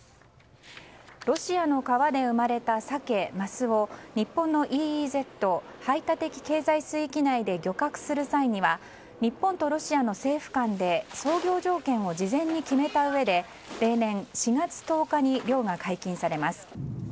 ロシアの川で生まれたサケ・マスを日本のＥＥＺ・排他的経済水域内で漁獲する際には、日本とロシアの政府間で操業条件を事前に決めたうえで例年４月１０日に漁が解禁されます。